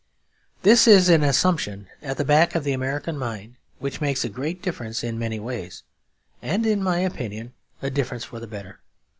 This is an assumption at the back of the American mind which makes a great difference in many ways; and in my opinion a difference for the better.